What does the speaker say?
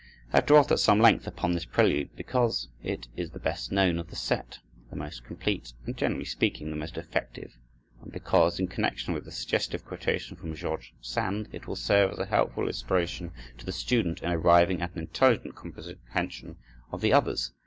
I have dwelt at some length upon this prelude because it is the best known of the set; the most complete and, generally speaking, the most effective; and because, in connection with the suggestive quotation from George Sand, it will serve as a helpful illustration to the student in arriving at an intelligent comprehension of the others.